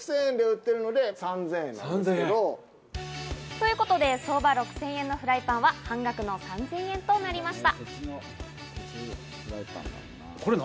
ということで相場６０００円のフライパンは半額の３０００円となりました。